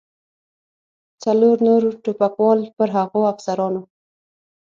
څلور نور ټوپکوال پر هغو افسرانو.